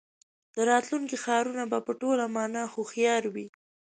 د راتلونکي ښارونه به په ټوله مانا هوښیار وي.